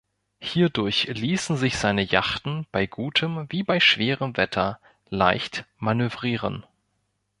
Hierdurch ließen sich seine Yachten bei gutem wie bei schwerem Wetter leicht manövrieren.